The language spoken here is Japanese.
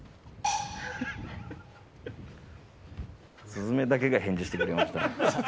スズメだけが返事してくれました。